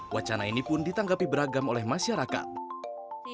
wacana ini pun ditanggapi beragam oleh masyarakat